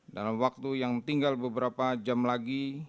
dalam waktu yang tinggal beberapa jam lagi